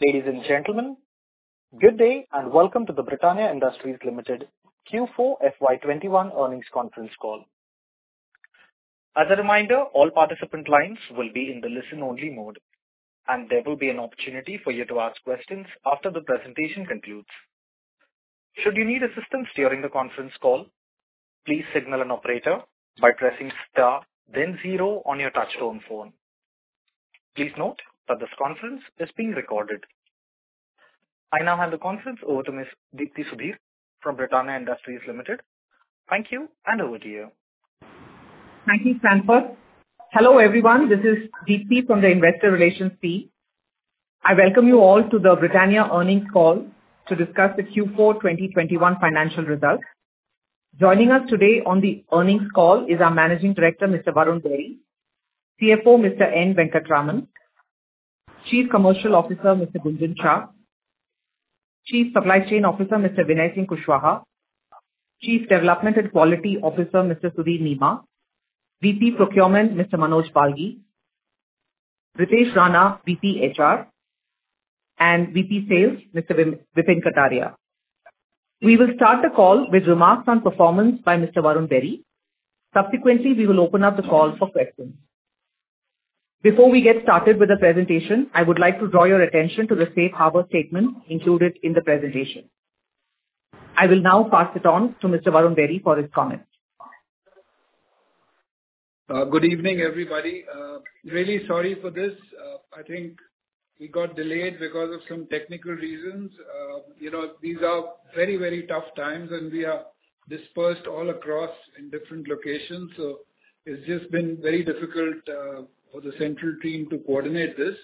Ladies and gentlemen, good day and welcome to the Britannia Industries Limited Q4 FY 2021 Earnings Conference Call. As a reminder, all participant lines will be in the listen only mode, and there will be an opportunity for you to ask questions after the presentation concludes. Should you need assistance during the conference call, please signal an operator by pressing star then zero on your touchtone phone. Please note that this conference is being recorded. I now hand the conference over to Ms. Dipti Sudhir from Britannia Industries Limited. Thank you, and over to you. Thank you, Sanford. Hello, everyone. This is Dipti from the investor relations team. I welcome you all to the Britannia earnings call to discuss the Q4 2021 financial results. Joining us today on the earnings call is our Managing Director, Mr. Varun Berry; CFO, Mr. N. Venkataraman; Chief Commercial Officer, Mr. Gunjan Shah; Chief Supply Chain Officer, Mr. Vinay Singh Kushwaha; Chief Development and Quality Officer, Mr. Sudhir Nema; VP Procurement, Mr. Manoj Balgi; and VP Sales, Mr. Vipin Kataria. We will start the call with remarks on performance by Mr. Varun Berry. Subsequently, we will open up the call for questions. Before we get started with the presentation, I would like to draw your attention to the safe harbor statement included in the presentation. I will now pass it on to Mr. Varun Berry for his comments. Good evening, everybody. Really sorry for this. I think we got delayed because of some technical reasons. These are very tough times and we are dispersed all across in different locations. It's just been very difficult for the central team to coordinate this.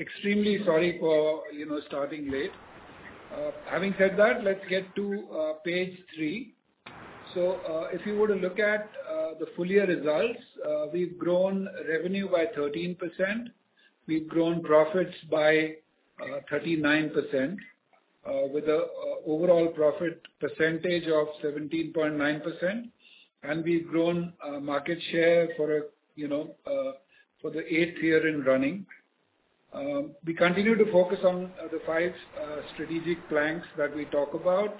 Extremely sorry for starting late. Having said that, let's get to page three. If you were to look at the full year results, we've grown revenue by 13%. We've grown profits by 39%, with an overall profit percentage of 17.9%. We've grown market share for the eighth year in running. We continue to focus on the five strategic planks that we talk about: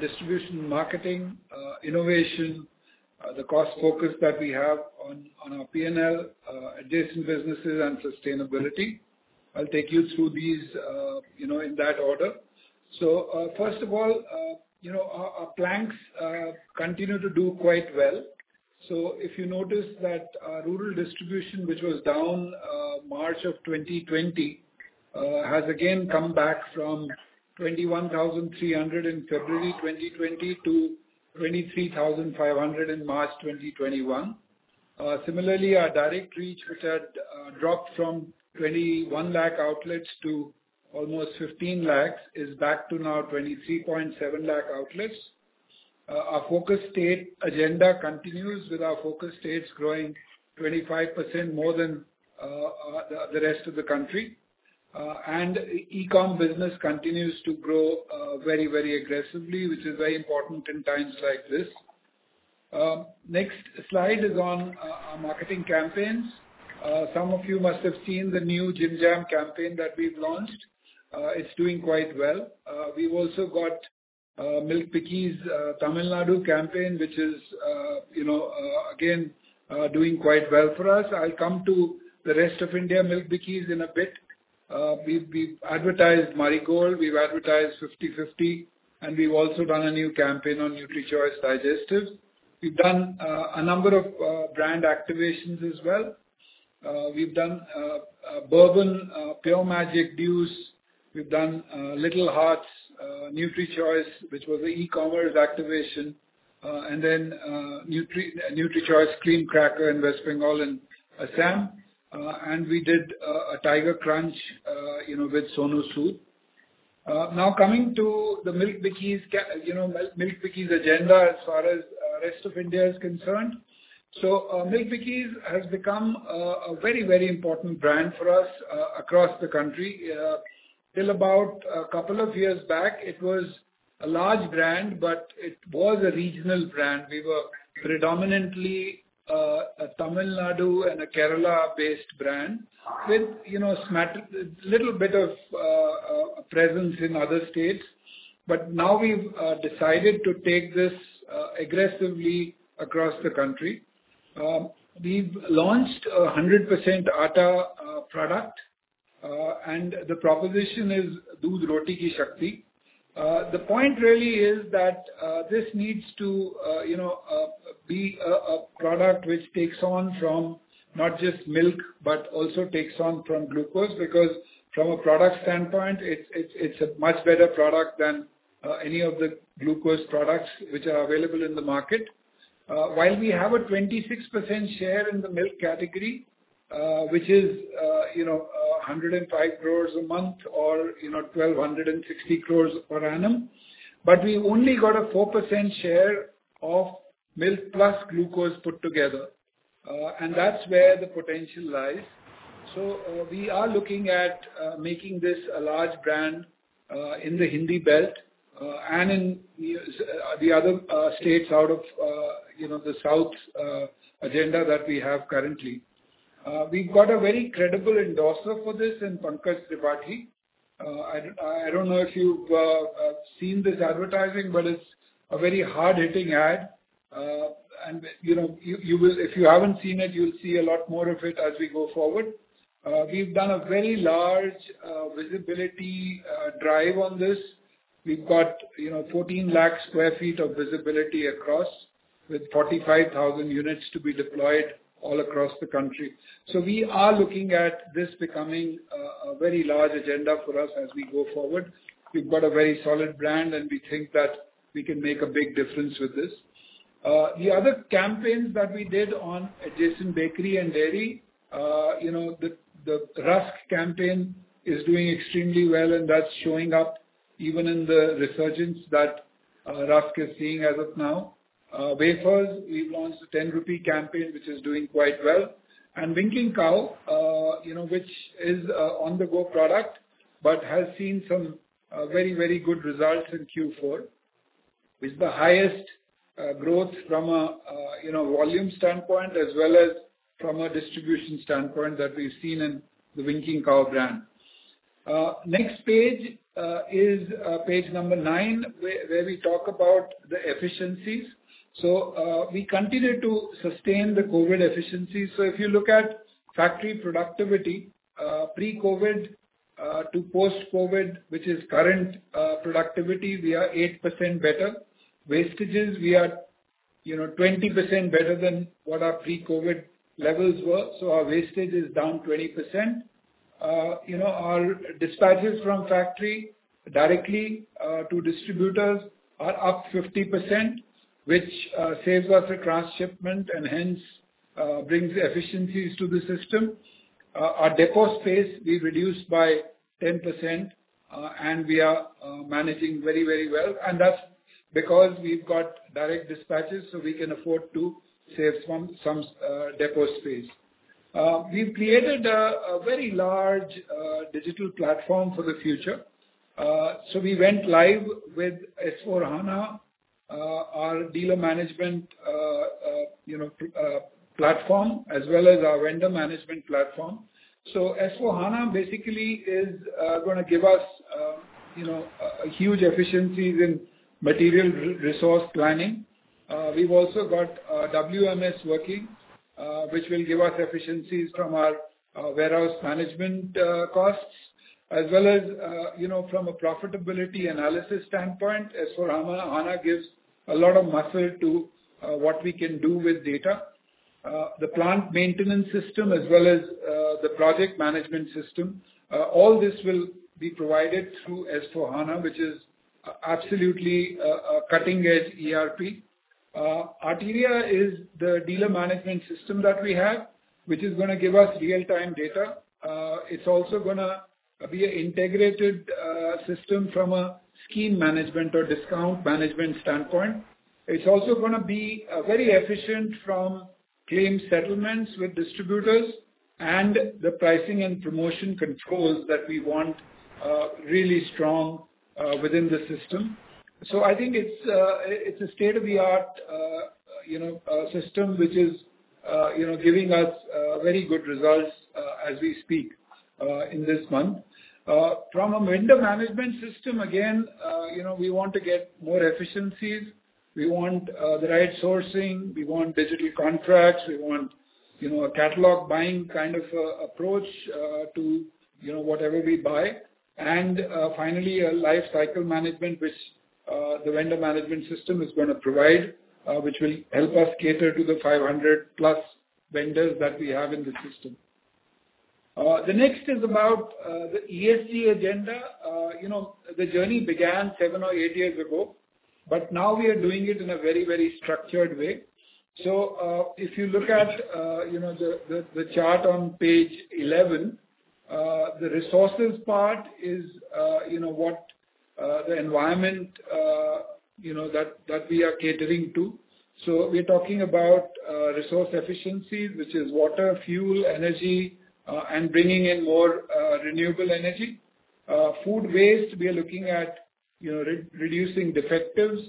distribution, marketing, innovation, the cost focus that we have on our P&L, adjacent businesses, and sustainability. I'll take you through these in that order. First of all our planks continue to do quite well. If you notice that our rural distribution, which was down March of 2020, has again come back from 21,300 in February 2020 to 23,500 in March 2021. Similarly, our direct reach, which had dropped from 21 lakh outlets to almost 15 lakh, is back to now 23.7 lakh outlets. Our focus state agenda continues with our focus states growing 25% more than the rest of the country. E-com business continues to grow very aggressively, which is very important in times like this. Next slide is on our marketing campaigns. Some of you must have seen the new Jim Jam campaign that we've launched. It's doing quite well. We've also got Milk Bikis Tamil Nadu campaign, which is again, doing quite well for us. I'll come to the rest of India Milk Bikis in a bit. We've advertised Marie Gold, we've advertised 50-50, we've also done a new campaign on NutriChoice Digestives. We've done a number of brand activations as well. We've done Bourbon Pure Magic Deuce. We've done Little Hearts, NutriChoice, which was the e-commerce activation, then NutriChoice Cream Cracker in West Bengal and Assam. We did a Tiger Krunch with Sonu Sood. Coming to the Milk Bikis agenda as far as rest of India is concerned. Milk Bikis has become a very important brand for us across the country. Till about a couple of years back, it was a large brand, but it was a regional brand. We were predominantly a Tamil Nadu and a Kerala-based brand with a little bit of presence in other states. Now we've decided to take this aggressively across the country. We've launched a 100% atta product. The proposition is "Doodh Roti ki Shakti." The point really is that this needs to be a product which takes on from not just milk, but also takes on from glucose, because from a product standpoint, it's a much better product than any of the glucose products which are available in the market. While we have a 26% share in the milk category, which is 105 crores a month or 1,260 crores per annum, we've only got a 4% share of milk plus glucose put together. That's where the potential lies. We are looking at making this a large brand in the Hindi belt, and in the other states. The south agenda that we have currently. We've got a very credible endorser for this in Pankaj Tripathi. I don't know if you've seen this advertising, but it's a very hard-hitting ad. If you haven't seen it, you'll see a lot more of it as we go forward. We've done a very large visibility drive on this. We've got 1,400,000 square feet of visibility across, with 45,000 units to be deployed all across the country. We are looking at this becoming a very large agenda for us as we go forward. We've got a very solid brand, and we think that we can make a big difference with this. The other campaigns that we did on adjacent bakery and dairy, the rusk campaign is doing extremely well, and that's showing up even in the resurgence that rusk is seeing as of now. Wafers, we've launched an 10 rupee campaign, which is doing quite well. Winkin' Cow, which is a on-the-go product, but has seen some very good results in Q4, with the highest growth from a volume standpoint as well as from a distribution standpoint that we've seen in the Winkin' Cow brand. Next page is page number nine, where we talk about the efficiencies. We continue to sustain the COVID efficiencies. If you look at factory productivity, pre-COVID to post-COVID, which is current productivity, we are 8% better. Wastages, we are 20% better than what our pre-COVID levels were. Our wastage is down 20%. Our dispatches from factory directly to distributors are up 50%, which saves us a cross-shipment and hence brings efficiencies to the system. Our depot space we reduced by 10%, and we are managing very well. That's because we've got direct dispatches, so we can afford to save some depot space. We've created a very large digital platform for the future. We went live with S/4HANA, our dealer management platform, as well as our vendor management platform. S/4HANA basically is going to give us huge efficiencies in material resource planning. We've also got WMS working, which will give us efficiencies from our warehouse management costs as well as from a profitability analysis standpoint. S/4HANA gives a lot of muscle to what we can do with data. The plant maintenance system as well as the project management system, all this will be provided through S/4HANA, which is absolutely a cutting-edge ERP. Artea is the dealer management system that we have, which is going to give us real-time data. It's also going to be an integrated system from a scheme management or discount management standpoint. It's also going to be very efficient from claim settlements with distributors and the pricing and promotion controls that we want really strong within the system. I think it's a state-of-the-art system which is giving us very good results as we speak in this month. From a vendor management system, again, we want to get more efficiencies. We want the right sourcing, we want digital contracts, we want a catalog buying kind of approach to whatever we buy. Finally, a life cycle management, which the vendor management system is going to provide, which will help us cater to the 500-plus vendors that we have in the system. The next is about the ESG agenda. The journey began seven or eight years ago, but now we are doing it in a very structured way. If you look at the chart on page 11, the resources part is what the environment that we are catering to. We're talking about resource efficiencies, which is water, fuel, energy, and bringing in more renewable energy. Food waste, we are looking at reducing defectives,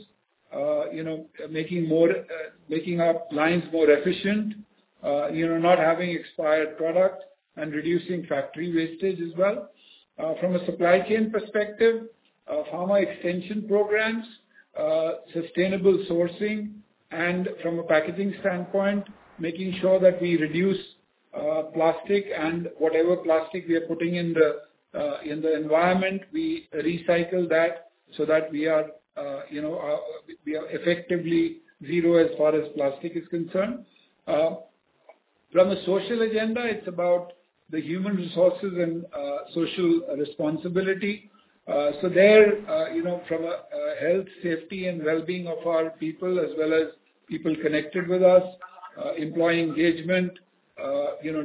making our lines more efficient, not having expired product, and reducing factory wastage as well. From a supply chain perspective, farmer extension programs, sustainable sourcing, and from a packaging standpoint, making sure that we reduce plastic and whatever plastic we are putting in the environment, we recycle that so that we are effectively zero as far as plastic is concerned. From a social agenda, it's about the human resources and social responsibility. There, from a health, safety, and wellbeing of our people as well as people connected with us, employee engagement,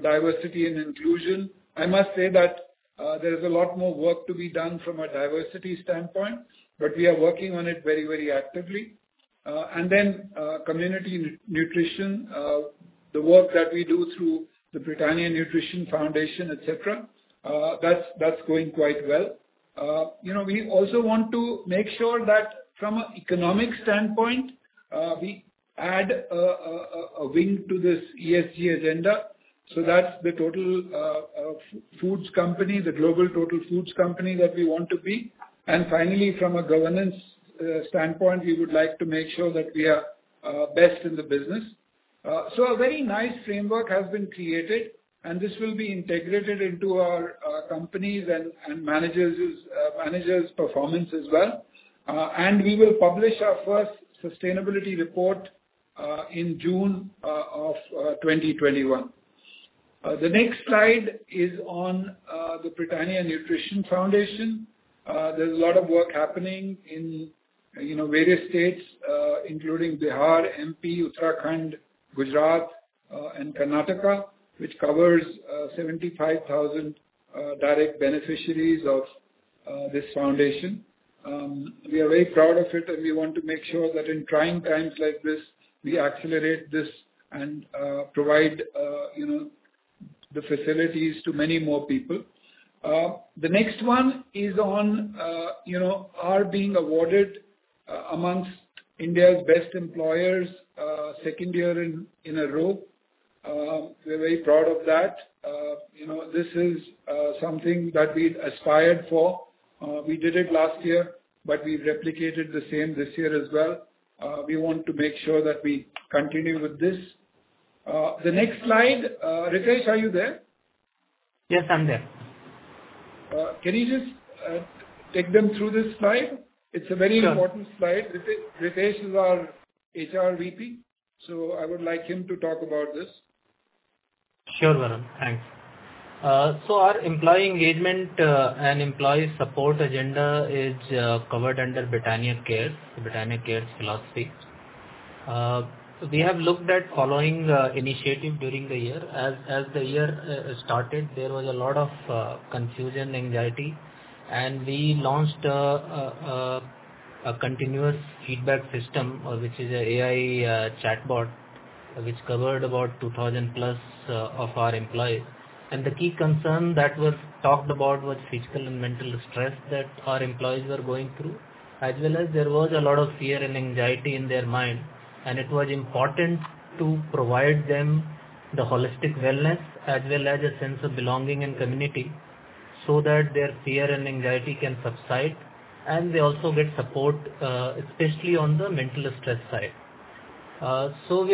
diversity and inclusion. I must say that there is a lot more work to be done from a diversity standpoint, but we are working on it very actively. Community nutrition. The work that we do through the Britannia Nutrition Foundation, et cetera, that's going quite well. We also want to make sure that from an economic standpoint, we add a wing to this ESG agenda so that the global total foods company that we want to be. Finally, from a governance standpoint, we would like to make sure that we are best in the business. A very nice framework has been created, and this will be integrated into our companies and managers' performance as well. We will publish our first sustainability report in June of 2021. The next slide is on the Britannia Nutrition Foundation. There's a lot of work happening in various states including Bihar, MP, Uttarakhand, Gujarat and Karnataka, which covers 75,000 direct beneficiaries of this foundation. We are very proud of it, and we want to make sure that in trying times like this, we accelerate this and provide the facilities to many more people. The next one is on our being awarded amongst India's Best Employers, second year in a row. We're very proud of that. This is something that we'd aspired for. We did it last year, but we replicated the same this year as well. We want to make sure that we continue with this. The next slide. Ritesh, are you there? Yes, I'm there. Can you just take them through this slide? Sure. It's a very important slide. Ritesh is our HR VP. I would like him to talk about this. Sure, Varun. Thanks. Our employee engagement and employee support agenda is covered under Britannia Cares philosophy. We have looked at following initiative during the year. As the year started, there was a lot of confusion, anxiety, and we launched a continuous feedback system, which is a AI chatbot, which covered about 2,000 plus of our employees. The key concern that was talked about was physical and mental stress that our employees were going through, as well as there was a lot of fear and anxiety in their mind. It was important to provide them the holistic wellness as well as a sense of belonging and community, so that their fear and anxiety can subside, and they also get support, especially on the mental stress side. We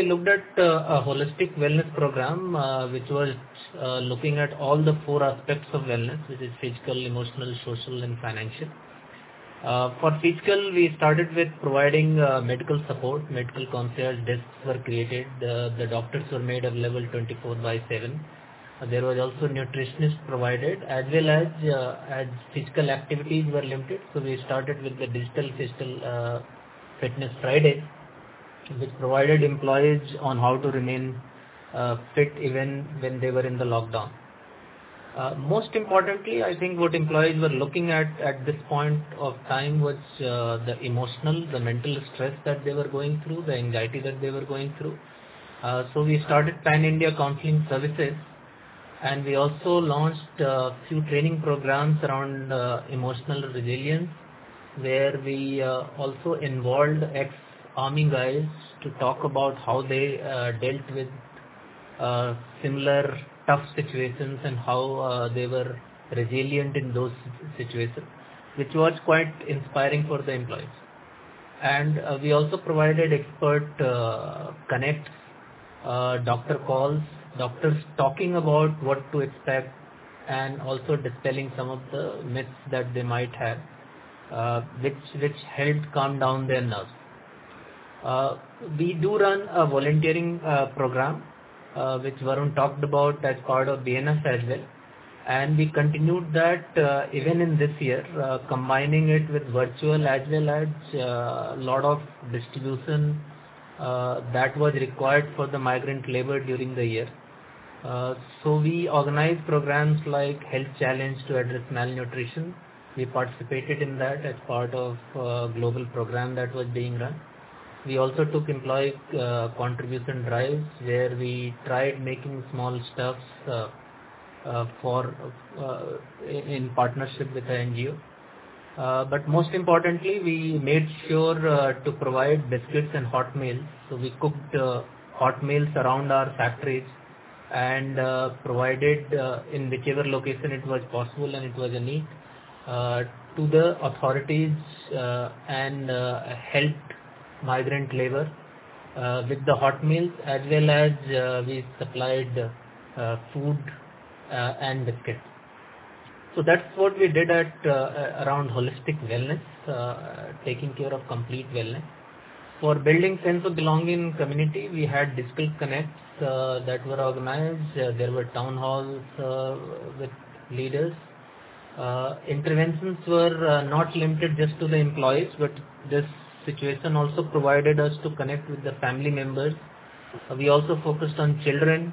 looked at a holistic wellness program, which was looking at all the four aspects of wellness, which is physical, emotional, social, and financial. For physical, we started with providing medical support. Medical concierge desks were created. The doctors were made available 24/7. There was also nutritionist provided as well as physical activities were limited. We started with the digital physical fitness Fridays, which provided employees on how to remain fit even when they were in the lockdown. Most importantly, I think what employees were looking at this point of time was the emotional, the mental stress that they were going through, the anxiety that they were going through. We started Pan-India counseling services, and we also launched a few training programs around emotional resilience, where we also involved ex-army guys to talk about how they dealt with similar tough situations and how they were resilient in those situations, which was quite inspiring for the employees. We also provided expert connects, doctor calls, doctors talking about what to expect, and also dispelling some of the myths that they might have, which helped calm down their nerves. We do run a volunteering program, which Varun talked about as part of BNF as well, and we continued that even in this year, combining it with virtual as well as lot of distribution that was required for the migrant labor during the year. We organized programs like health challenge to address malnutrition. We participated in that as part of a global program that was being run. We also took employee contribution drives, where we tried making small stuff in partnership with the NGO. Most importantly, we made sure to provide biscuits and hot meals. We cooked hot meals around our factories and provided in whichever location it was possible and it was a need, to the authorities, and helped migrant labor, with the hot meals, as well as we supplied food and biscuits. That's what we did around holistic wellness, taking care of complete wellness. For building sense of belonging community, we had digital connects that were organized. There were town halls with leaders. Interventions were not limited just to the employees, but this situation also provided us to connect with the family members. We also focused on children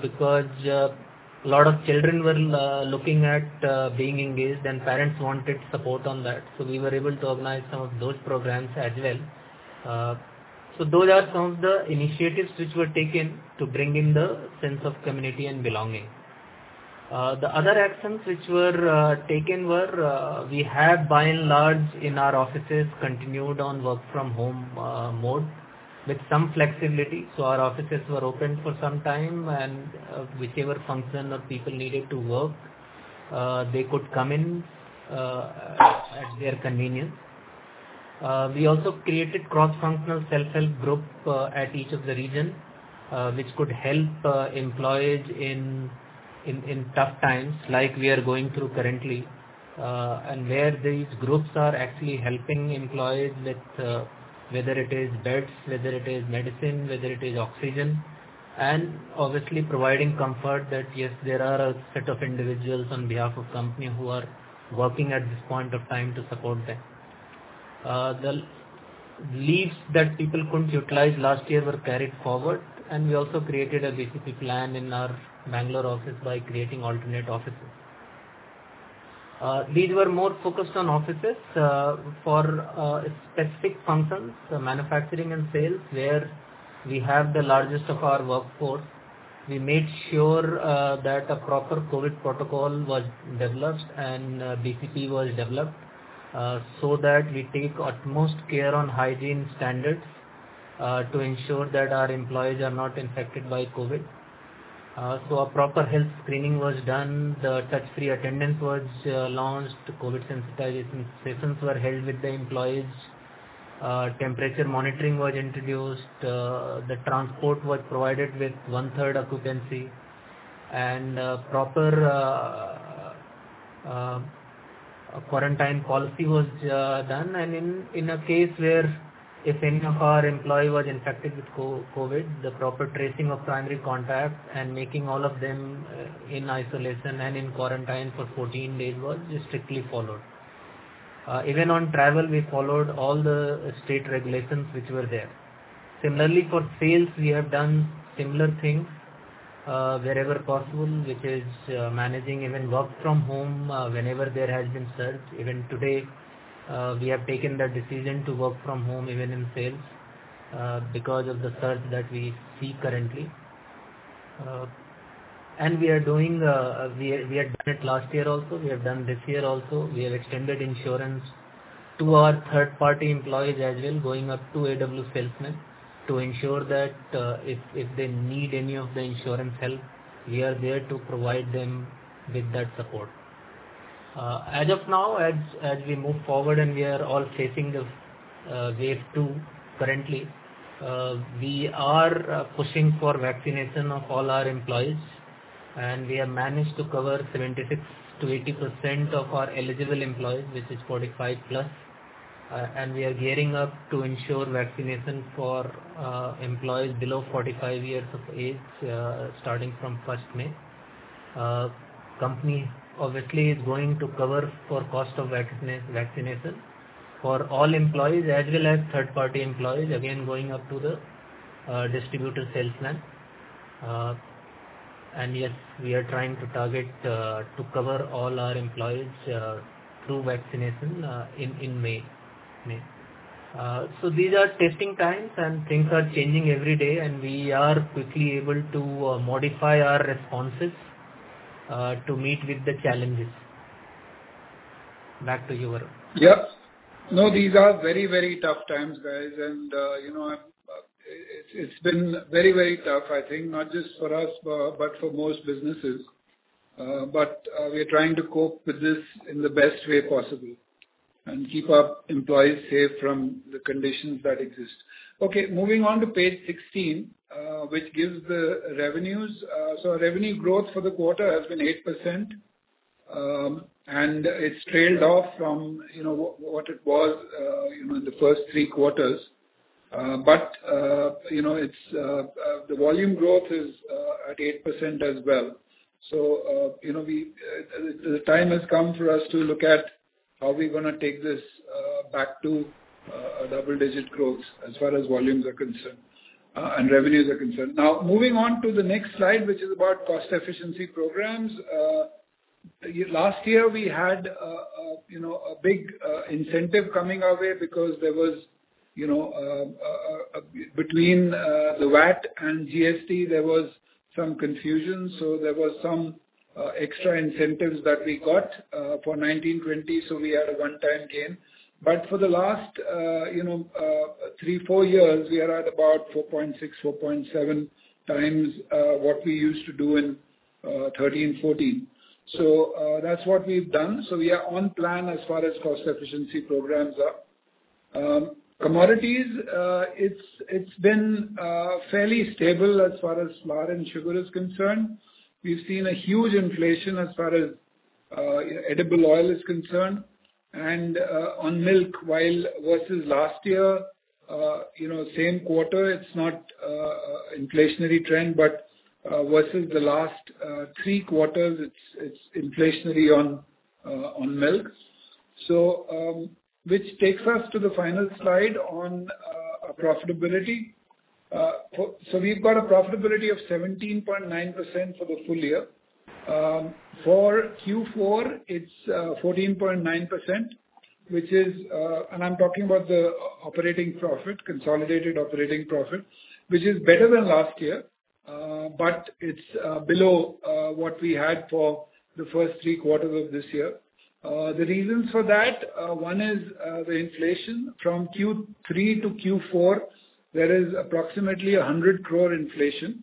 because a lot of children were looking at being engaged, and parents wanted support on that. We were able to organize some of those programs as well. Those are some of the initiatives which were taken to bring in the sense of community and belonging. The other actions which were taken were. We had by and large in our offices continued on work from home mode with some flexibility. Our offices were open for some time, and whichever function or people needed to work, they could come in at their convenience. We also created cross-functional self-help group at each of the region, which could help employees in tough times like we are going through currently. Where these groups are actually helping employees with whether it is beds, whether it is medicine, whether it is oxygen, and obviously providing comfort that yes, there are a set of individuals on behalf of company who are working at this point of time to support them. The leaves that people couldn't utilize last year were carried forward, and we also created a BCP plan in our Bangalore office by creating alternate offices. These were more focused on offices for specific functions, manufacturing and sales, where we have the largest of our workforce. We made sure that a proper COVID protocol was developed and BCP was developed so that we take utmost care on hygiene standards to ensure that our employees are not infected by COVID. A proper health screening was done. The touch-free attendance was launched. COVID sensitization sessions were held with the employees. Temperature monitoring was introduced. The transport was provided with one-third occupancy. Proper quarantine policy was done. In a case where if any of our employee was infected with COVID, the proper tracing of primary contacts and making all of them in isolation and in quarantine for 14 days was strictly followed. Even on travel, we followed all the state regulations which were there. Similarly, for sales, we have done similar things wherever possible, which is managing even work from home whenever there has been surge. Even today, we have taken the decision to work from home even in sales because of the surge that we see currently. We had done it last year also, we have done this year also, we have extended insurance to our third-party employees as well, going up to AW salesmen to ensure that if they need any of the insurance help, we are there to provide them with that support. As of now, as we move forward and we are all facing the wave two currently, we are pushing for vaccination of all our employees. We have managed to cover 76%-80% of our eligible employees, which is 45+. We are gearing up to ensure vaccination for employees below 45 years of age, starting from first May. Company obviously is going to cover for cost of vaccination for all employees as well as third-party employees, again, going up to the distributor salesmen. Yes, we are trying to target to cover all our employees through vaccination in May. These are testing times, and things are changing every day, and we are quickly able to modify our responses to meet with the challenges. Back to you, Varun. Yes. No, these are very tough times, guys. It's been very tough, I think, not just for us, but for most businesses. We are trying to cope with this in the best way possible and keep our employees safe from the conditions that exist. Moving on to page 16, which gives the revenues. Revenue growth for the quarter has been 8%. It's trailed off from what it was in the first three quarters. The volume growth is at 8% as well. The time has come for us to look at how we're going to take this back to a double-digit growth as far as volumes are concerned and revenues are concerned. Moving on to the next slide, which is about cost efficiency programs. Last year, we had a big incentive coming our way because between the VAT and GST, there was some confusion. There was some extra incentives that we got for FY 2020. We had a one-time gain. For the last three, four years, we are at about 4.6x, 4.7x what we used to do in FY 2014. That's what we've done. We are on plan as far as cost efficiency programs are. Commodities, it's been fairly stable as far as maida and sugar is concerned. We've seen a huge inflation as far as edible oil is concerned. On milk, while versus last year same quarter, it's not inflationary trend, but versus the last three quarters, it's inflationary on milk. Which takes us to the final slide on our profitability. We've got a profitability of 17.9% for the full year. For Q4, it's 14.9%. I'm talking about the consolidated operating profit, which is better than last year. It's below what we had for the first three quarters of this year. The reasons for that, one is the inflation from Q3 to Q4, there is approximately 100 crore inflation.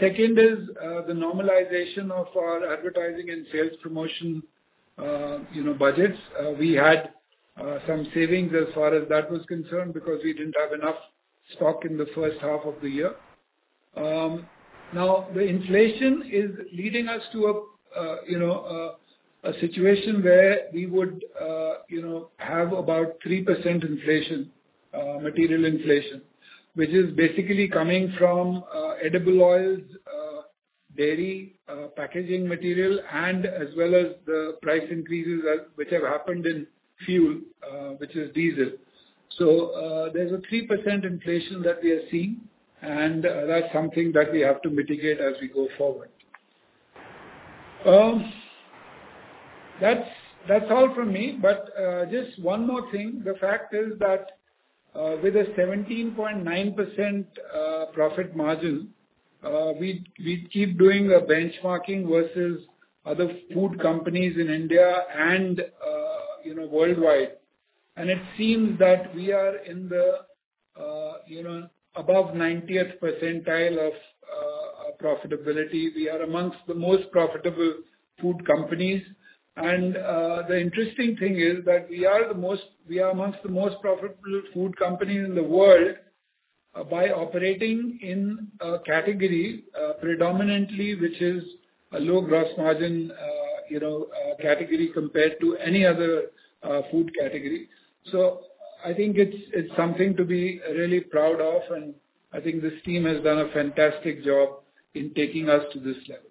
Second is the normalization of our advertising and sales promotion budgets. We had some savings as far as that was concerned because we didn't have enough stock in the first half of the year. The inflation is leading us to a situation where we would have about 3% material inflation, which is basically coming from edible oils, dairy, packaging material and as well as the price increases which have happened in fuel, which is diesel. There's a 3% inflation that we are seeing, and that's something that we have to mitigate as we go forward. That's all from me, just one more thing. The fact is that with a 17.9% profit margin, we keep doing a benchmarking versus other food companies in India and worldwide. It seems that we are in the above 90th percentile of profitability. We are amongst the most profitable food companies. The interesting thing is that we are amongst the most profitable food companies in the world by operating in a category predominantly, which is a low gross margin category compared to any other food category. I think it's something to be really proud of, and I think this team has done a fantastic job in taking us to this level.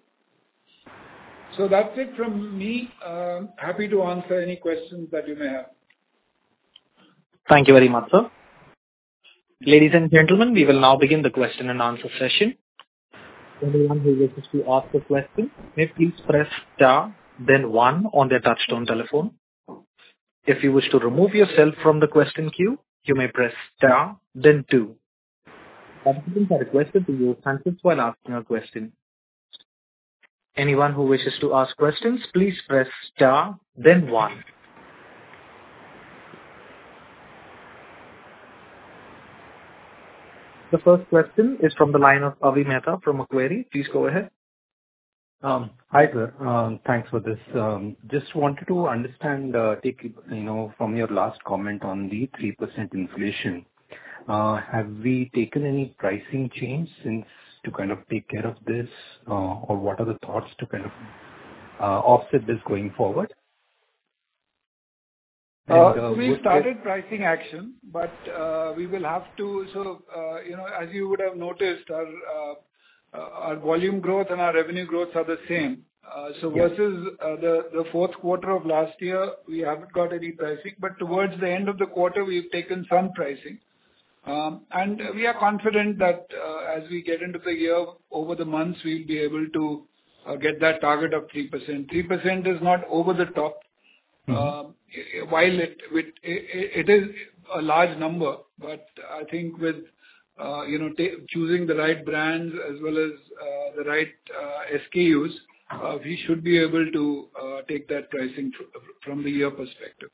That's it from me. Happy to answer any questions that you may have. Thank you very much, sir. Ladies and gentlemen, we will now begin the question and answer session. Anyone who wishes to ask a question may please press star then one on their touchtone telephone. If you wish to remove yourself from the question queue, you may press star then two. Participants are requested to use handsets while asking a question. Anyone who wishes to ask questions, please press star then one. The first question is from the line of Avi Mehta from IIFL. Please go ahead. Hi, sir. Thanks for this. Just wanted to understand from your last comment on the 3% inflation. Have we taken any pricing change since to kind of take care of this? What are the thoughts to kind of offset this going forward? We started pricing action, but as you would have noticed, our volume growth and our revenue growths are the same. Versus the fourth quarter of last year, we haven't got any pricing, but towards the end of the quarter, we've taken some pricing. We are confident that, as we get into the year, over the months, we'll be able to get that target of 3%. 3% is not over the top. It is a large number, but I think with choosing the right brands as well as the right SKUs, we should be able to take that pricing from the year perspective.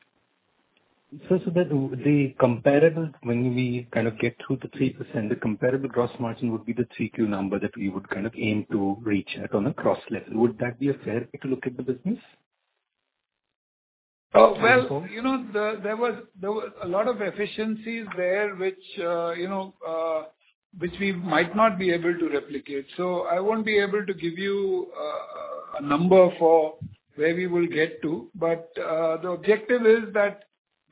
That the comparable, when we kind of get to the 3%, the comparable gross margin would be the 32 number that we would kind of aim to reach at on a gross level. Would that be a fair way to look at the business? There was a lot of efficiencies there, which we might not be able to replicate. I won't be able to give you a number for where we will get to, but the objective is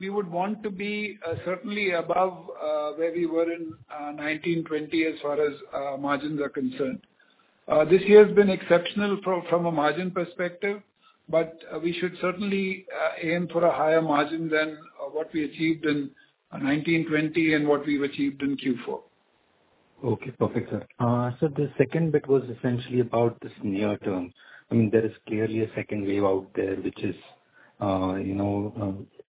that we would want to be certainly above where we were in FY 2020 as far as margins are concerned. This year has been exceptional from a margin perspective, but we should certainly aim for a higher margin than what we achieved in FY 2020 and what we've achieved in Q4. Okay. Perfect, sir. The second bit was essentially about this near term. There is clearly a second wave out there.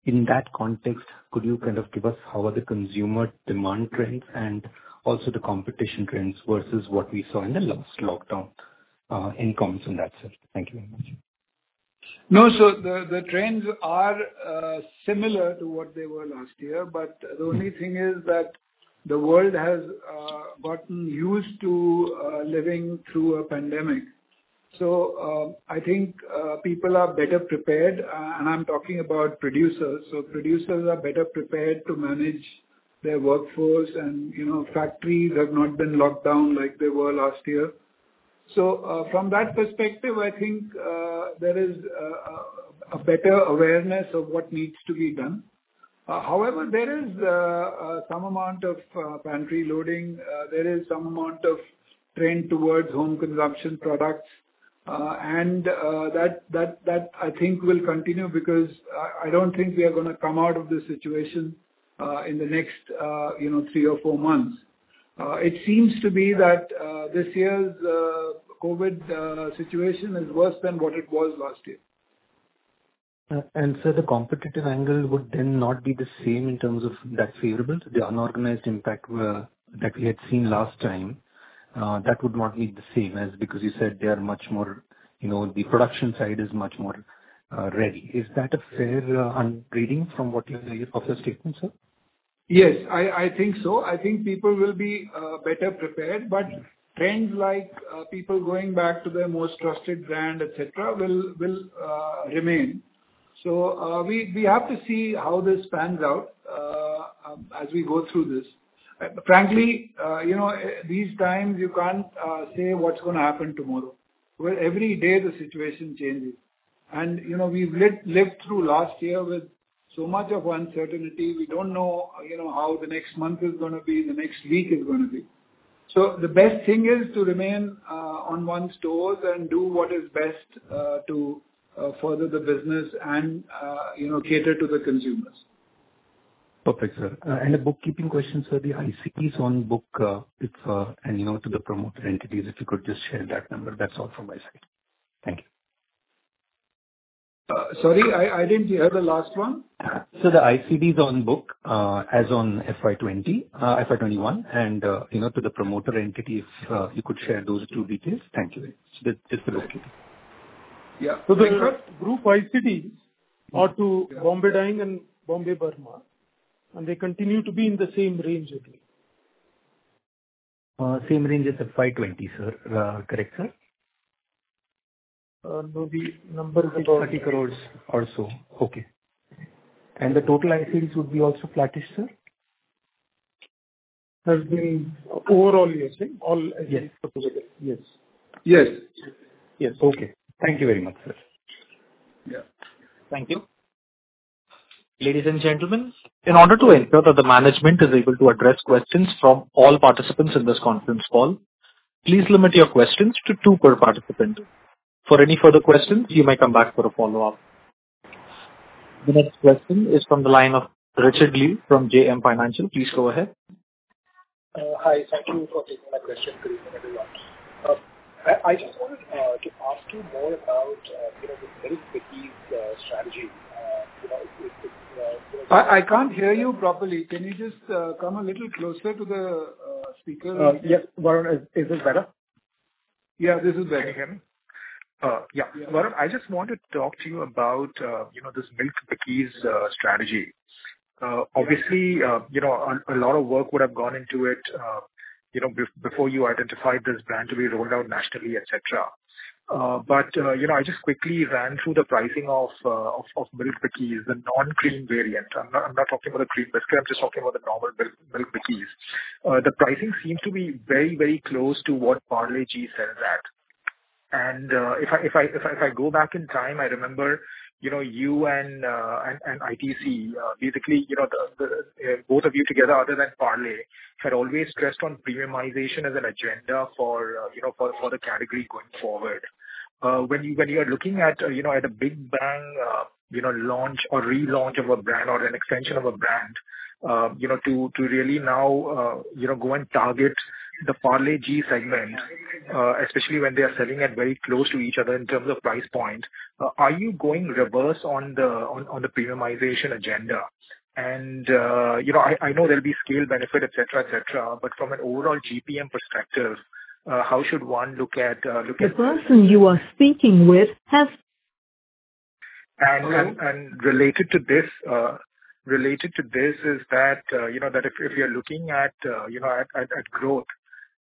In that context, could you kind of give us how are the consumer demand trends and also the competition trends versus what we saw in the last lockdown, any comments on that, sir? Thank you very much. No. The trends are similar to what they were last year, but the only thing is that the world has gotten used to living through a pandemic. I think people are better prepared, and I'm talking about producers. Producers are better prepared to manage their workforce and factories have not been locked down like they were last year. From that perspective, I think there is a better awareness of what needs to be done. However, there is some amount of pantry loading. There is some amount of trend towards home consumption products. And that, I think will continue, because I don't think we are going to come out of this situation in the next three or four months. It seems to be that this year's COVID situation is worse than what it was last year. The competitive angle would then not be the same in terms of that favorable, the unorganized impact that we had seen last time. That would not be the same because you said they are much more, the production side is much more ready. Is that a fair reading from what you say of your statement, sir? Yes, I think so. I think people will be better prepared, trends like people going back to their most trusted brand, et cetera, will remain. We have to see how this pans out as we go through this. Frankly, these times, you can't say what's going to happen tomorrow, where every day the situation changes. We've lived through last year with so much of uncertainty. We don't know how the next month is going to be, the next week is going to be. The best thing is to remain on one's toes and do what is best to further the business and cater to the consumers. Perfect, sir. A bookkeeping question, sir. The ICDs on book and to the promoter entities, if you could just share that number. That's all from my side. Thank you. Sorry, I didn't hear the last one. Sir, the ICDs on book as on FY 2021, and to the promoter entity, if you could share those two details. Thank you. Just a bookkeeping. Yeah. The group ICDs are to Bombay Dyeing and Bombay Burmah, and they continue to be in the same range. Same range as of FY 2020, sir. Correct, sir? Maybe numbers. INR 30 crores or so. Okay. The total ICDs would be also flattish, sir? Has been overall yes. Yes. Yes. Yes. Yes. Okay. Thank you very much, sir. Yeah. Thank you. Ladies and gentlemen, in order to ensure that the management is able to address questions from all participants in this conference call, please limit your questions to two per participant. For any further questions, you may come back for a follow-up. The next question is from the line of Richard Liu from JM Financial. Please go ahead. Hi. Thank you for taking my question. Greetings, everyone. I just wanted to ask you more about this Milk Bikis strategy. I can't hear you properly. Can you just come a little closer to the speaker? Yes. Varun, is this better? Yeah, this is better. Yeah. Varun, I just want to talk to you about this Milk Bikis strategy. Obviously, a lot of work would have gone into it before you identified this brand to be rolled out nationally, et cetera. I just quickly ran through the pricing of Milk Bikis, the non-cream variant. I'm not talking about the cream biscuit. I'm just talking about the normal Milk Bikis. The pricing seems to be very close to what Parle-G sells at. If I go back in time, I remember you and ITC, basically, both of you together other than Parle, had always stressed on premiumization as an agenda for the category going forward. When you are looking at a big bang launch or relaunch of a brand or an extension of a brand to really now go and target the Parle-G segment, especially when they are selling at very close to each other in terms of price point, are you going reverse on the premiumization agenda? I know there'll be scale benefit, et cetera. From an overall GPM perspective, how should one look at. The person you are speaking with has- Related to this is that if you're looking at growth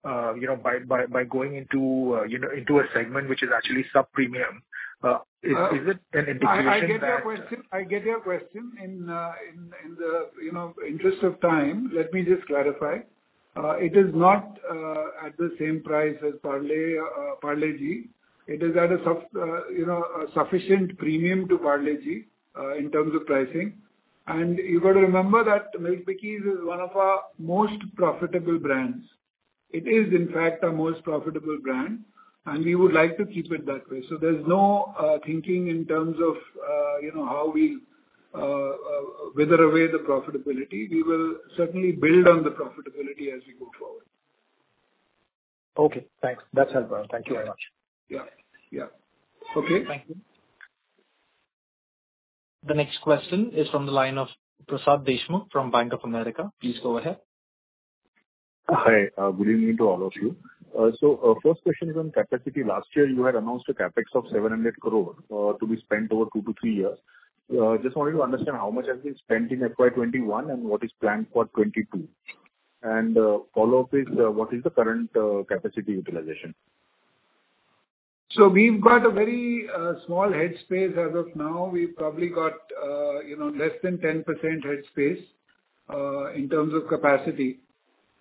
by going into a segment which is actually sub-premium, is it an indication that? I get your question. In the interest of time, let me just clarify. It is not at the same price as Parle-G. It is at a sufficient premium to Parle-G in terms of pricing. You got to remember that Milk Bikis is one of our most profitable brands. It is, in fact, our most profitable brand, and we would like to keep it that way. There's no thinking in terms of how we wither away the profitability. We will certainly build on the profitability as we go forward. Okay, thanks. That's helpful. Thank you very much. Yeah. Okay. Thank you. The next question is from the line of Prasad Deshmukh from Bank of America. Please go ahead. Hi. Good evening to all of you. First question is on capacity. Last year, you had announced a CapEx of 700 crore to be spent over two to three years. Just wanted to understand how much has been spent in FY 2021 and what is planned for FY 2022. Follow-up is what is the current capacity utilization? We've got a very small head space as of now. We've probably got less than 10% head space in terms of capacity.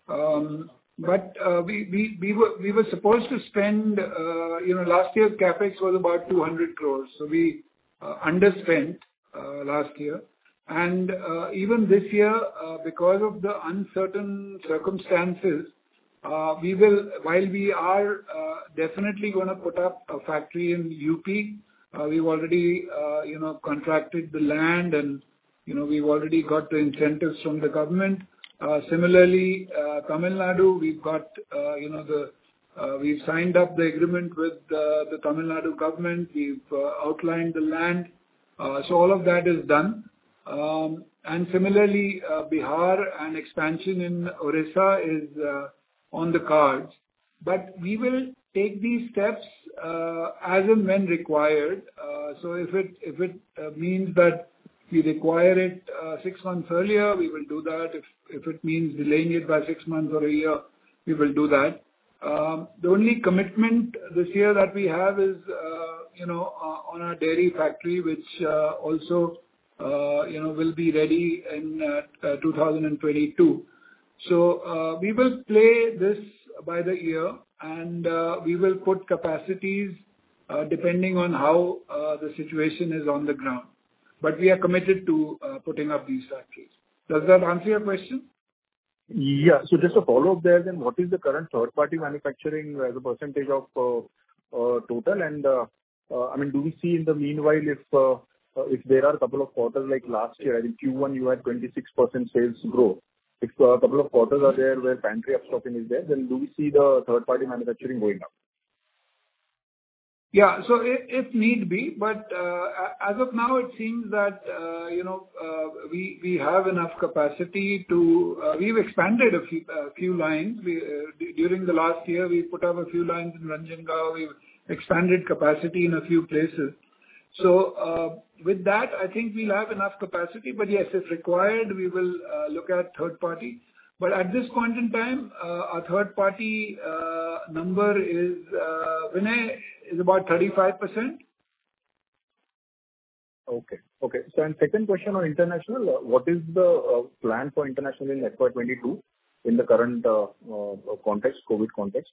We were supposed to spend, last year's CapEx was about 200 crores. We underspent last year. Even this year, because of the uncertain circumstances, while we are definitely going to put up a factory in UP, we've already contracted the land, and we've already got the incentives from the government. Similarly, Tamil Nadu, we've signed up the agreement with the Tamil Nadu government. We've outlined the land. All of that is done. Similarly, Bihar and expansion in Odisha is on the cards. We will take these steps as and when required. If it means that we require it six months earlier, we will do that. If it means delaying it by six months or a year, we will do that. The only commitment this year that we have is on our dairy factory, which also will be ready in 2022. We will play this by the ear, and we will put capacities depending on how the situation is on the ground. We are committed to putting up these factories. Does that answer your question? Yeah. Just a follow-up there. What is the current third-party manufacturing as a percentage of total? Do we see in the meanwhile, if there are a couple of quarters like last year, I think Q1, you had 26% sales growth. If a couple of quarters are there where pantry up-shopping is there, do we see the third-party manufacturing going up? If need be. As of now, it seems that we have enough capacity. We've expanded a few lines. During the last year, we put up a few lines in Ranjangaon. We've expanded capacity in a few places. With that, I think we'll have enough capacity. Yes, if required, we will look at third party. At this point in time, our third-party number is, Vinay, is about 35%. Okay. Second question on international. What is the plan for international in FY 2022 in the current COVID context?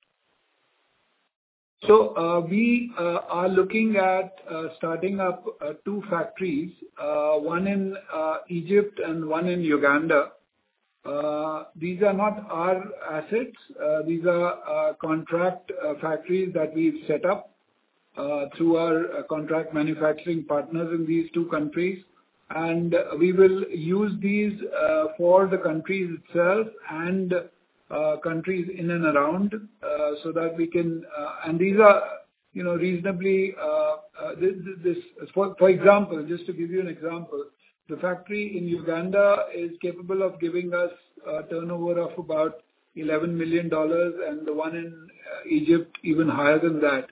We are looking at starting up two factories, one in Egypt and one in Uganda. These are not our assets. These are contract factories that we've set up through our contract manufacturing partners in these two countries. We will use these for the countries itself and countries in and around, so that we can For example, just to give you an example, the factory in Uganda is capable of giving us a turnover of about $11 million and the one in Egypt even higher than that.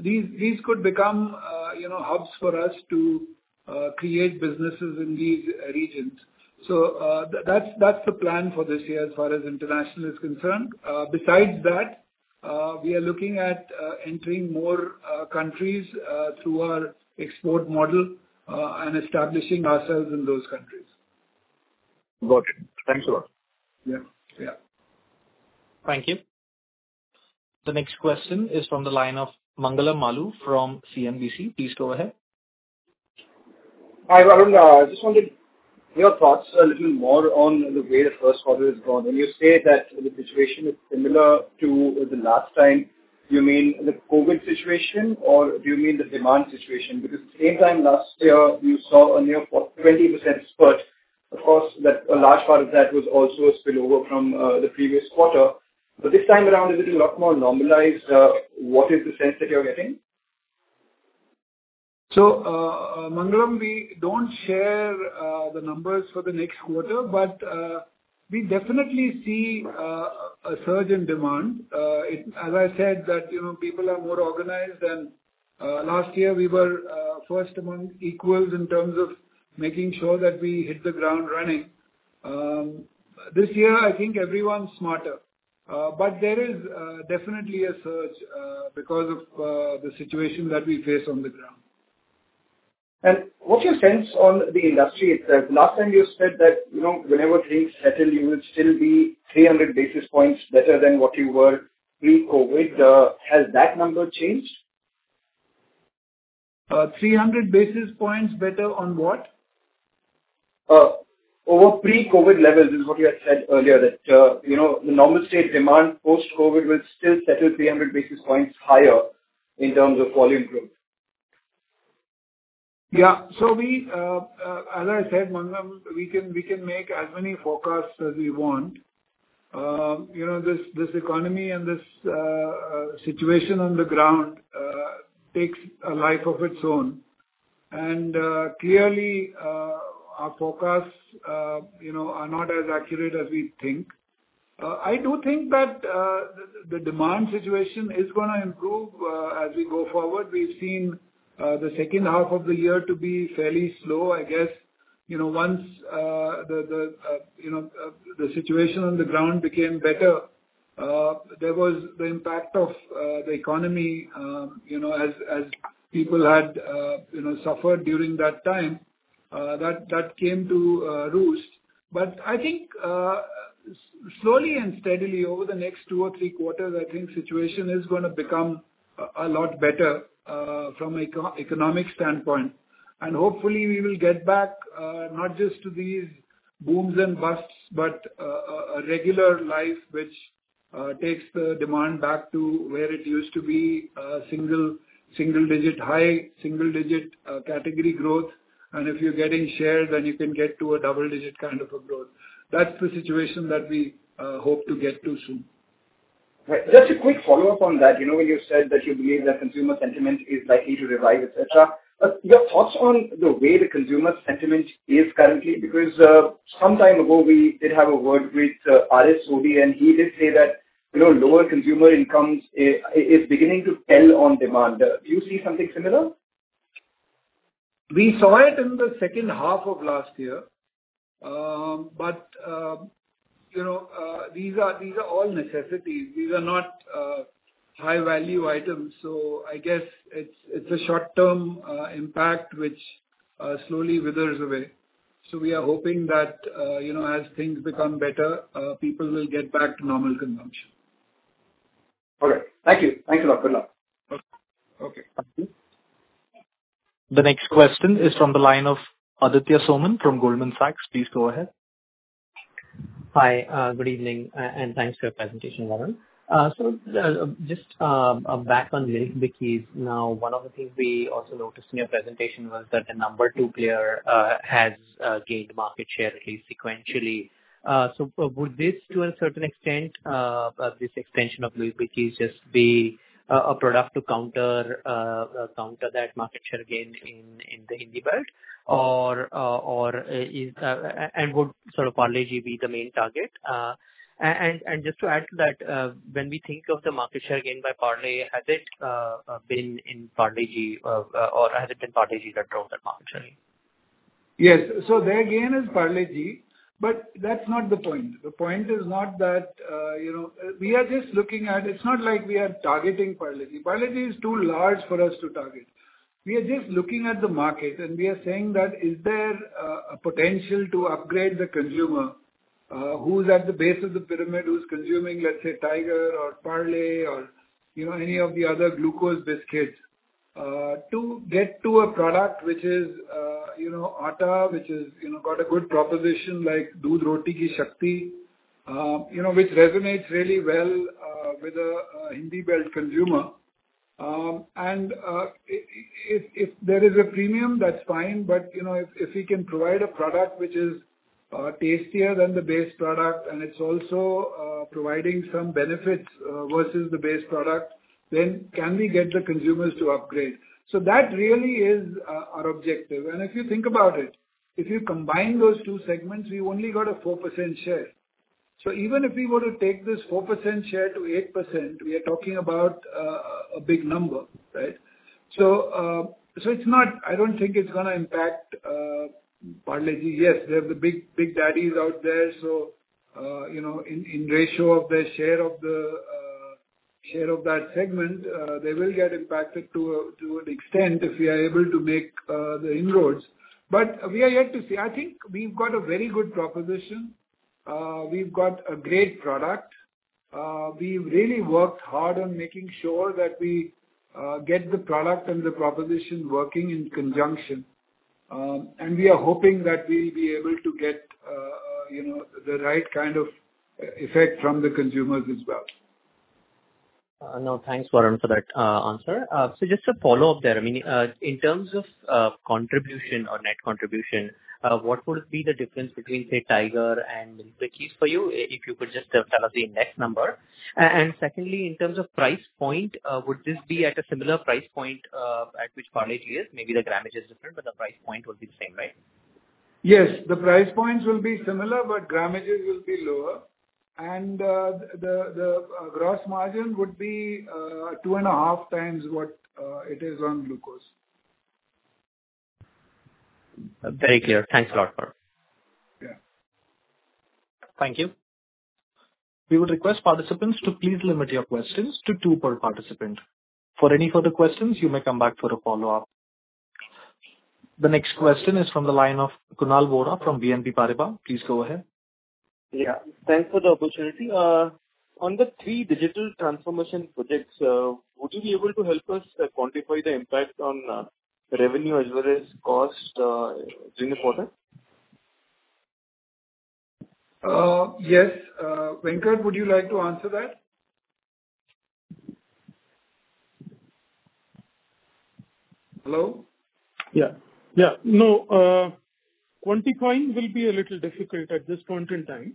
These could become hubs for us to create businesses in these regions. That's the plan for this year as far as international is concerned. Besides that, we are looking at entering more countries through our export model and establishing ourselves in those countries. Got it. Thanks a lot. Yeah. Thank you. The next question is from the line of Mangalam Maloo from CNBC. Please go ahead. Hi, Varun. I just wanted your thoughts a little more on the way the first quarter has gone. When you say that the situation is similar to the last time, do you mean the COVID situation, or do you mean the demand situation? The same time last year, you saw a near 20% spurt. Of course, a large part of that was also a spillover from the previous quarter. This time around, is it a lot more normalized? What is the sense that you're getting? Mangalam, we don't share the numbers for the next quarter, but we definitely see a surge in demand. As I said that people are more organized, and last year we were first among equals in terms of making sure that we hit the ground running. This year, I think everyone's smarter. There is definitely a surge because of the situation that we face on the ground. What's your sense on the industry itself? Last time you said that whenever things settle, you would still be 300 basis points better than what you were pre-COVID. Has that number changed? 300 basis points better on what? Over pre-COVID levels is what you had said earlier, that the normal state demand post-COVID will still settle 300 basis points higher in terms of volume growth. Yeah. As I said, Mangalam, we can make as many forecasts as we want. This economy and this situation on the ground takes a life of its own. Clearly, our forecasts are not as accurate as we think. I do think that the demand situation is going to improve as we go forward. We've seen the second half of the year to be fairly slow. I guess, once the situation on the ground became better, there was the impact of the economy as people had suffered during that time. That came to roost. I think slowly and steadily over the next two or three quarters, I think the situation is going to become a lot better from economic standpoint. Hopefully we will get back, not just to these booms and busts, but a regular life which takes the demand back to where it used to be, single digit high, single digit category growth. If you're getting shares, then you can get to a double digit kind of a growth. That's the situation that we hope to get to soon. Right. Just a quick follow-up on that. When you said that you believe that consumer sentiment is likely to revive, et cetera, but your thoughts on the way the consumer sentiment is currently, because, some time ago, we did have a word with RS Sodhi, and he did say that lower consumer incomes is beginning to tell on demand. Do you see something similar? We saw it in the second half of last year. These are all necessities. These are not high-value items. I guess it's a short-term impact, which slowly withers away. We are hoping that, as things become better, people will get back to normal consumption. Okay. Thank you. Thanks a lot. Good luck. Okay. The next question is from the line of Aditya Soman from Goldman Sachs. Please go ahead. Hi. Good evening, and thanks for your presentation, Varun. Just, back on the Milk Bikis now. One of the things we also noticed in your presentation was that the number two player has gained market share, at least sequentially. Would this, to a certain extent, this expansion of the Milk Bikis just be a product to counter that market share gain in the Hindi belt? Would Parle-G be the main target? Just to add to that, when we think of the market share gain by Parle, has it been in Parle-G or has it been Parle-G that drove that market share gain? Yes. Their gain is Parle-G, but that's not the point. The point is not that it's not like we are targeting Parle-G. Parle-G is too large for us to target. We are just looking at the market, and we are saying that, is there a potential to upgrade the consumer who's at the base of the pyramid, who's consuming, let's say, Tiger or Parle or any of the other glucose biscuits, to get to a product which is atta, which has got a good proposition like Doodh Roti Ki Shakti, which resonates really well with a Hindi belt consumer. If there is a premium, that's fine. If we can provide a product which is tastier than the base product and it's also providing some benefits versus the base product, then can we get the consumers to upgrade? That really is our objective. If you think about it, if you combine those two segments, we've only got a 4% share. Even if we were to take this 4% share to 8%, we are talking about a big number, right? I don't think it's going to impact Parle-G. Yes, they're the big daddies out there. In ratio of the share of that segment, they will get impacted to an extent if we are able to make the inroads. We are yet to see. I think we've got a very good proposition. We've got a great product. We've really worked hard on making sure that we get the product and the proposition working in conjunction. We are hoping that we'll be able to get the right kind of effect from the consumers as well. No, thanks, Varun, for that answer. Just a follow-up there. In terms of contribution or net contribution, what would be the difference between, say, Tiger and Milk Bikis for you, if you could just tell us the index number? Secondly, in terms of price point, would this be at a similar price point, at which Parle-G is? Maybe the grammage is different, but the price point would be the same, right? Yes, the price points will be similar, but grammages will be lower. The gross margin would be two and a half times what it is on glucose. Very clear. Thanks a lot, Varun. Yeah. Thank you. We would request participants to please limit your questions to two per participant. For any further questions, you may come back for a follow-up. The next question is from the line of Kunal Vora from BNP Paribas. Please go ahead. Yeah. Thanks for the opportunity. On the three digital transformation projects, would you be able to help us quantify the impact on revenue as well as cost during the quarter? Yes. Venkat, would you like to answer that? Hello? Quantifying will be a little difficult at this point in time.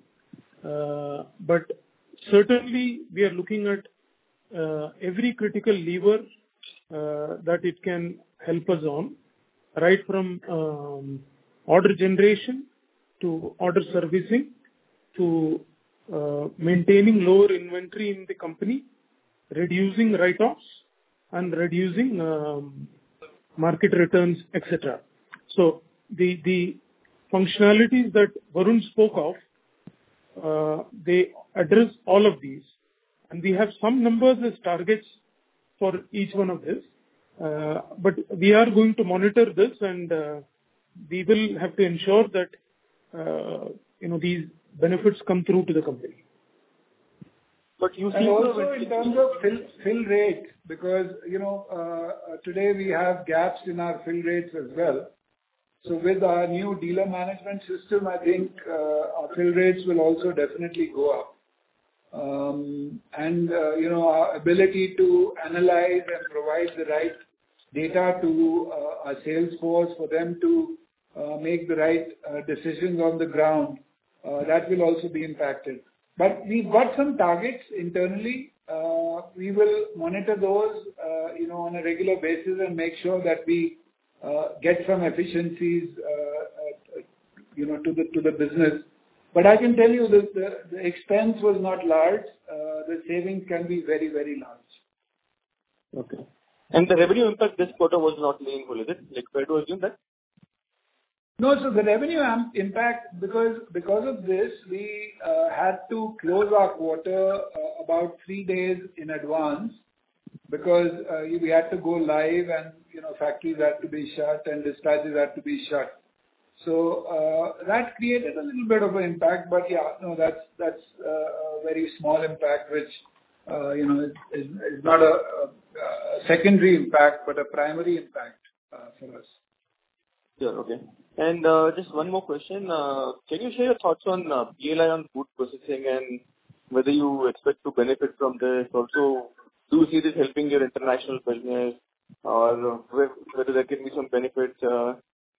Certainly, we are looking at every critical lever that it can help us on, right from order generation to order servicing to maintaining lower inventory in the company, reducing write-offs and reducing market returns, et cetera. The functionalities that Varun spoke of, they address all of these, and we have some numbers as targets for each one of this. We are going to monitor this and we will have to ensure that these benefits come through to the company. But you see- Also in terms of fill rates, because today we have gaps in our fill rates as well. With our new dealer management system, I think our fill rates will also definitely go up. Our ability to analyze and provide the right data to our sales force for them to make the right decisions on the ground, that will also be impacted. We've got some targets internally. We will monitor those on a regular basis and make sure that we get some efficiencies to the business. I can tell you this, the expense was not large. The saving can be very large. Okay. The revenue impact this quarter was not meaningful, is it? Like, fair to assume that? No. The revenue impact, because of this, we had to close our quarter about three days in advance because we had to go live and factories had to be shut and dispatches had to be shut. That created a little bit of an impact, but yes. No, that's a very small impact, which is not a secondary impact, but a primary impact for us. Sure. Okay. Just one more question. Can you share your thoughts on PLI on food processing and whether you expect to benefit from this? Do you see this helping your international business? Whether there can be some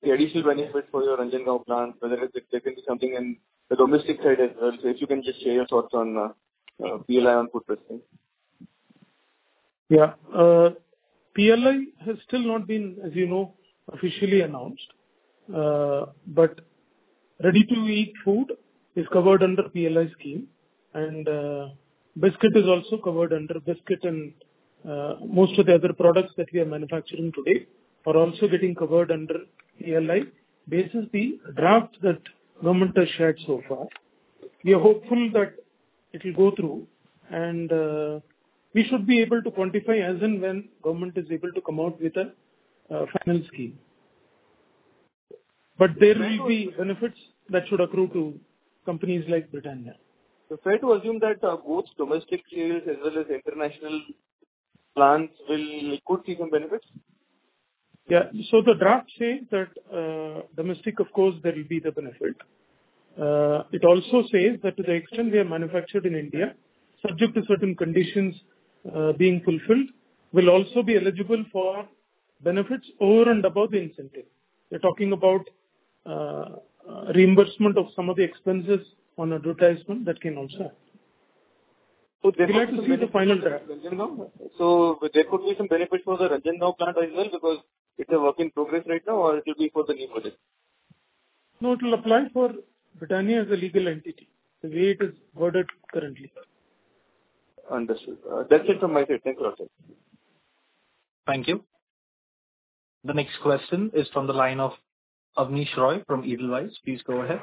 additional benefit for your Ranjangaon plant, whether there can be something in the domestic side as well. If you can just share your thoughts on PLI on food processing. Yeah. PLI has still not been, as you know, officially announced. Ready-to-eat food is covered under PLI scheme and biscuit is also covered under biscuit and most of the other products that we are manufacturing today are also getting covered under PLI. This is the draft that government has shared so far. We are hopeful that it'll go through and we should be able to quantify as and when government is able to come out with a final scheme. There will be benefits that should accrue to companies like Britannia. Fair to assume that both domestic sales as well as international plants could see some benefits? The draft says that domestic, of course, there will be the benefit. It also says that to the extent we are manufactured in India, subject to certain conditions being fulfilled, we will also be eligible for benefits over and above the incentive. We are talking about reimbursement of some of the expenses on advertisement that can also happen. We have to see the final draft. There could be some benefit for the Ranjangaon plant as well because it's a work in progress right now or it will be for the new budget? No, it'll apply for Britannia as a legal entity, the way it is worded currently, sir. Understood. That's it from my side. Thanks a lot, sir. Thank you. The next question is from the line of Abneesh Roy from Edelweiss. Please go ahead.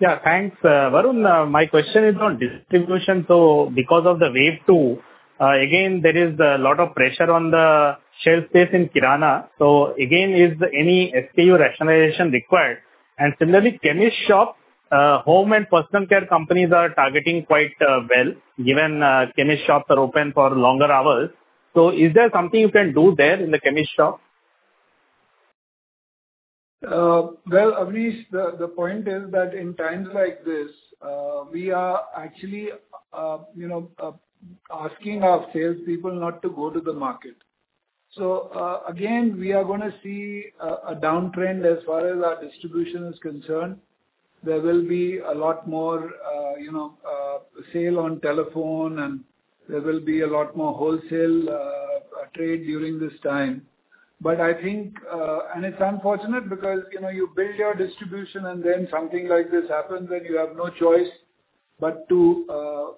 Yeah. Thanks. Varun, my question is on distribution. Because of the wave 2, again, there is a lot of pressure on the shelf space in Kirana. Again, is any SKU rationalization required? Similarly, chemist shop, home and personal care companies are targeting quite well, given chemist shops are open for longer hours. Is there something you can do there in the chemist shop? Well, Abneesh, the point is that in times like this, we are actually asking our salespeople not to go to the market. Again, we are going to see a downtrend as far as our distribution is concerned. There will be a lot more sale on telephone and there will be a lot more wholesale trade during this time. It's unfortunate because you build your distribution and then something like this happens and you have no choice but to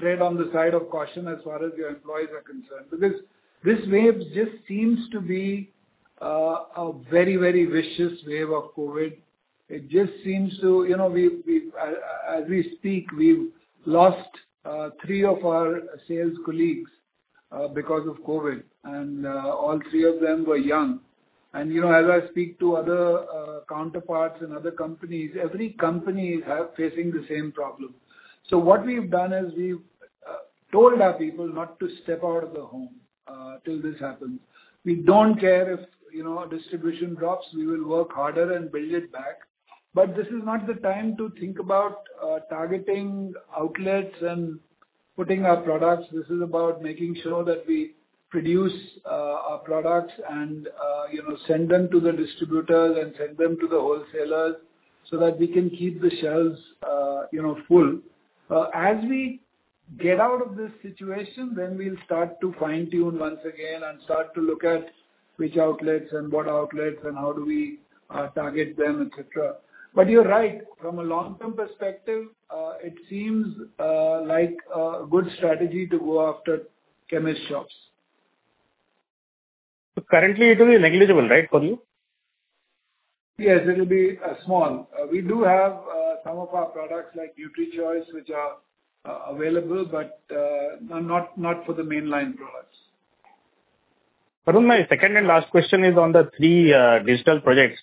tread on the side of caution as far as your employees are concerned. This wave just seems to be a very vicious wave of COVID. As we speak, we've lost three of our sales colleagues because of COVID and all three of them were young. As I speak to other counterparts in other companies, every company are facing the same problem. What we've done is we've told our people not to step out of the home till this happens. We don't care if our distribution drops. We will work harder and build it back. This is not the time to think about targeting outlets and putting our products. This is about making sure that we produce our products and send them to the distributors and send them to the wholesalers so that we can keep the shelves full. As we get out of this situation, then we'll start to fine-tune once again and start to look at which outlets and what outlets and how do we target them, et cetera. You're right. From a long-term perspective, it seems like a good strategy to go after chemist shops. Currently it will be negligible, right, for you? Yes, it'll be small. Some of our products like NutriChoice, which are available, but not for the mainline products. Varun, my second and last question is on the three digital projects.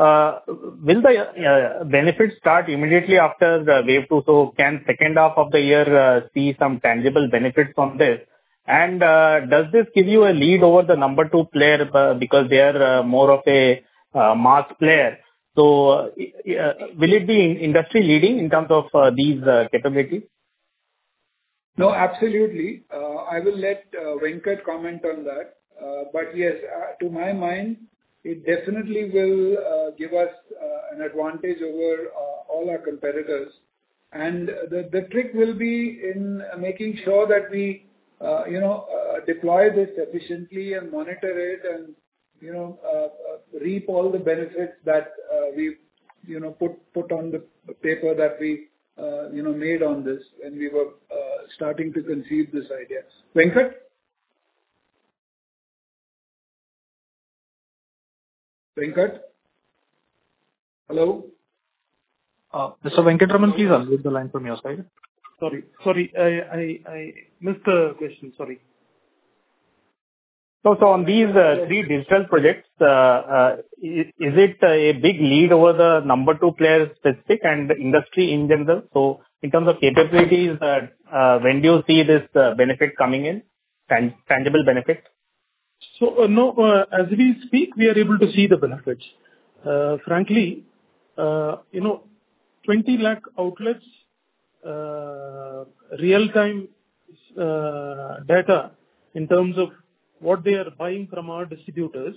Will the benefits start immediately after the wave two? Can second half of the year see some tangible benefits from this? Does this give you a lead over the number two player because they are more of a mass player? Will it be industry-leading in terms of these capabilities? No, absolutely. I will let Venkat comment on that. Yes, to my mind, it definitely will give us an advantage over all our competitors. The trick will be in making sure that we deploy this efficiently and monitor it and reap all the benefits that we've put on the paper that we made on this when we were starting to conceive this idea. Venkat? Venkat? Hello? Mr. Venkataraman, please unmute the line from your side. Sorry. I missed the question. Sorry. On these three digital projects, is it a big lead over the number two player specific and the industry in general? In terms of capabilities, when do you see this benefit coming in, tangible benefit? Now as we speak, we are able to see the benefits. Frankly, 20 lakh outlets, real-time data in terms of what they are buying from our distributors,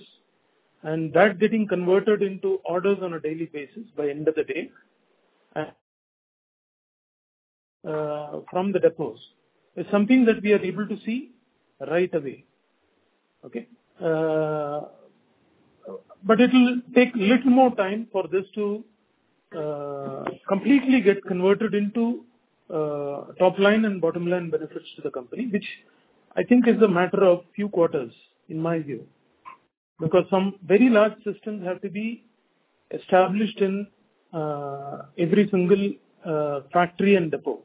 and that getting converted into orders on a daily basis by end of the day from the depots is something that we are able to see right away. It'll take little more time for this to completely get converted into top-line and bottom-line benefits to the company, which I think is a matter of few quarters, in my view. Some very large systems have to be established in every single factory and depot.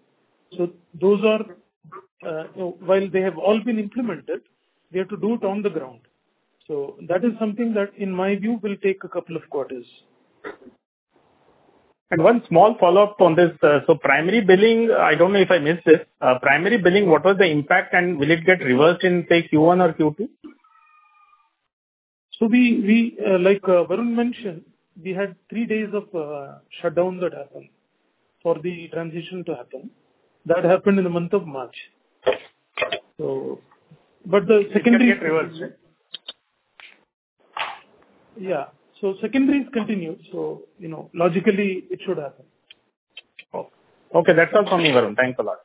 While they have all been implemented, we have to do it on the ground. That is something that, in my view, will take a couple of quarters. One small follow-up on this. Primary billing, I don't know if I missed it. Primary billing, what was the impact, and will it get reversed in, say, Q1 or Q2? Like Varun mentioned, we had three days of shutdowns that happened for the transition to happen. That happened in the month of March. Will it get reversed? Yeah. secondary is continued, so logically it should happen. Okay. That's all from me, Varun. Thanks a lot.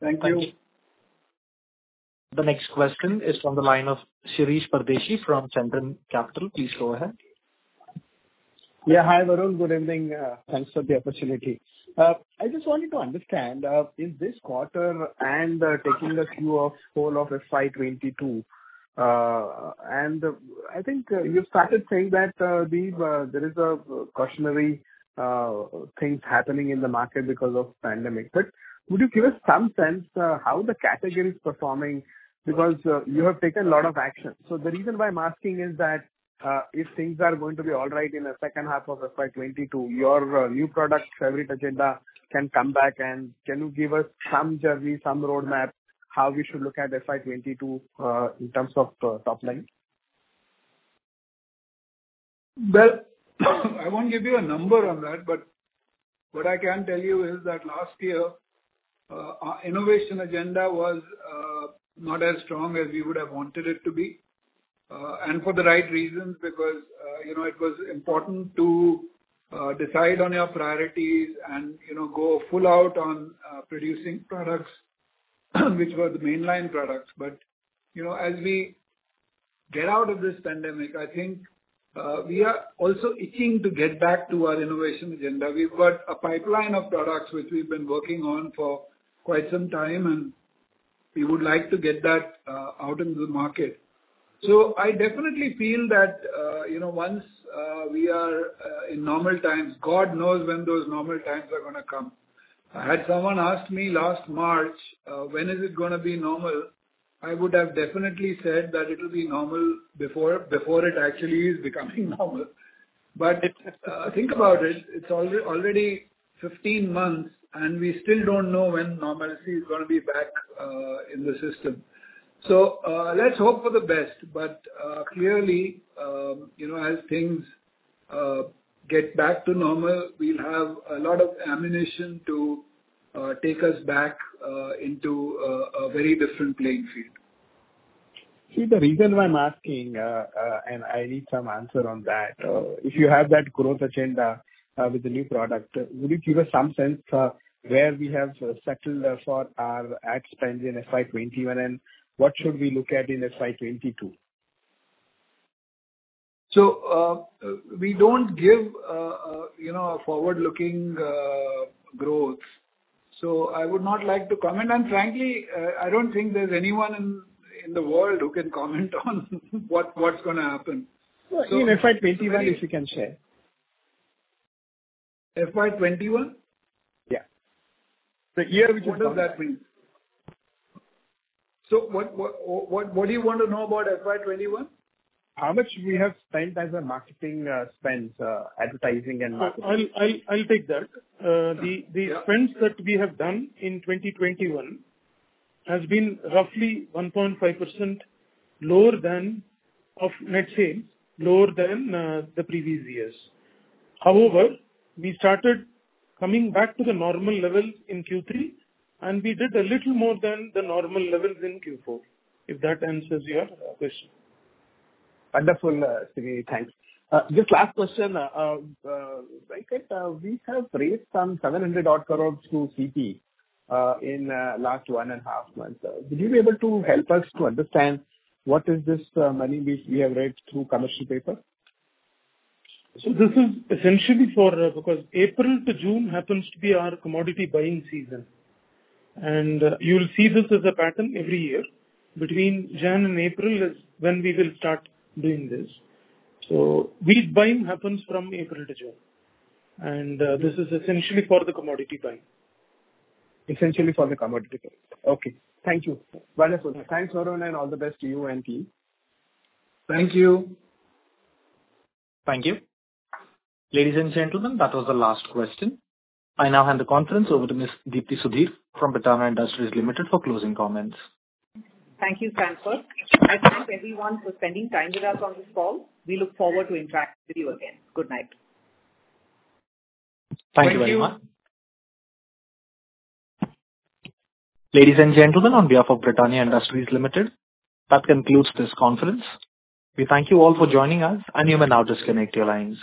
Thank you. The next question is from the line of Shirish Pardeshi from Centrum Broking. Please go ahead. Hi, Varun. Good evening. Thanks for the opportunity. I just wanted to understand, in this quarter and taking a view of whole of FY 2022, I think you started saying that there is a cautionary things happening in the market because of pandemic. Would you give us some sense how the category is performing? Because you have taken a lot of action. The reason why I'm asking is that if things are going to be all right in the second half of FY 2022, your new product, fabric agenda can come back, and can you give us some journey, some roadmap, how we should look at FY 2022 in terms of top-line? Well, I won't give you a number on that, but what I can tell you is that last year, our innovation agenda was not as strong as we would have wanted it to be. For the right reasons because it was important to decide on our priorities and go full out on producing products which were the mainline products. As we get out of this pandemic, I think we are also itching to get back to our innovation agenda. We've got a pipeline of products which we've been working on for quite some time, and we would like to get that out into the market. I definitely feel that once we are in normal times, God knows when those normal times are going to come. I had someone ask me last March when is it going to be normal. I would have definitely said that it'll be normal before it actually is becoming normal. Think about it's already 15 months and we still don't know when normalcy is going to be back in the system. Let's hope for the best. Clearly, as things get back to normal, we'll have a lot of ammunition to take us back into a very different playing field. See, the reason why I'm asking, and I need some answer on that. If you have that growth agenda with the new product, would you give us some sense where we have settled for our ad spend in FY 2021, and what should we look at in FY 2022? So we don't give a forward looking growth. I would not like to comment, and frankly, I don't think there's anyone in the world who can comment on what's going to happen. Well, in FY 2020/2021, if you can share. FY21? Yeah. The year which has come. What does that mean? What do you want to know about FY 2021? How much we have spent as a marketing spend, advertising and marketing. I'll take that. The spends that we have done in 2021 has been roughly 1.5% lower than of net sales, lower than the previous years. We started coming back to the normal level in Q3, and we did a little more than the normal levels in Q4, if that answers your question. Wonderful, Sridhar. Thanks. Just last question. Venkat, we have raised some 700 odd crores through CP in the last one and a half months. Would you be able to help us to understand what is this money we have raised through commercial paper? This is essentially for, because April to June happens to be our commodity buying season. You'll see this as a pattern every year. Between January and April is when we will start doing this. Wheat buying happens from April to June, and this is essentially for the commodity buying. Essentially for the commodity buying. Okay. Thank you. Wonderful. Thanks, everyone, and all the best to you and team. Thank you. Thank you. Ladies and gentlemen, that was the last question. I now hand the conference over to Ms. Dipti Sudhir from Britannia Industries Limited for closing comments. Thank you, Sanford. I thank everyone for spending time with us on this call. We look forward to interacting with you again. Good night. Thank you very much. Ladies and gentlemen, on behalf of Britannia Industries Limited, that concludes this conference. We thank you all for joining us, and you may now disconnect your lines.